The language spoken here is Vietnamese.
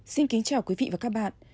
xin kính chào quý vị và các bạn